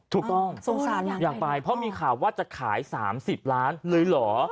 ถูกต้องสงสารอยากไปเพราะมีข่าวว่าจะขาย๓๐ล้านเลยเหรอ